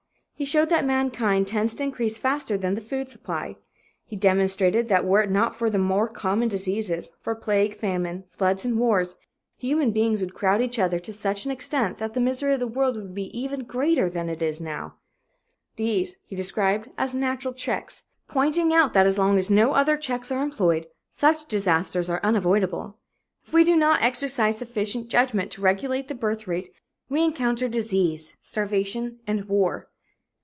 He showed that mankind tends to increase faster than the food supply. He demonstrated that were it not for the more common diseases, for plague, famine, floods and wars, human beings would crowd each other to such an extent that the misery would be even greater than it now is. These he described as "natural checks," pointing out that as long as no other checks are employed, such disasters are unavoidable. If we do not exercise sufficient judgment to regulate the birth rate, we encounter disease, starvation and war.